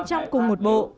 trong cùng một bộ